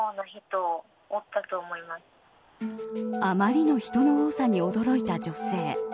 あまりの人の多さに驚いた女性。